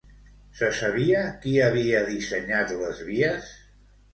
Se sabia qui havia dissenyat les vies?